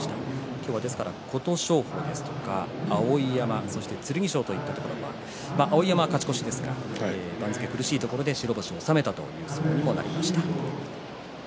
今日は琴勝峰や碧山剣翔といったところが碧山、勝ち越しですが番付苦しいところで白星を収めたということになりました。